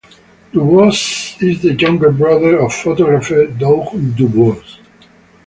DuBois is the younger brother of photographer Doug DuBois.